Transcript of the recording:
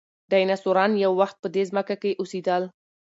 ډیناسوران یو وخت په دې ځمکه کې اوسېدل.